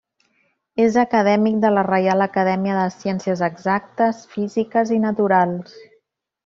És acadèmic de la Reial Acadèmia de Ciències Exactes, Físiques i Naturals.